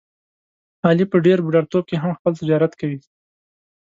علي په ډېر بوډاتوب کې هم خپل تجارت کوي.